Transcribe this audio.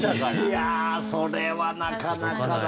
いやあそれはなかなかだなあ。